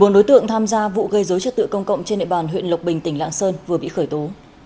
một mươi bốn đối tượng tham gia vụ gây dối trật tự công cộng trên nệm bàn huyện lộc bình tỉnh lạng sơn vừa bị khởi tố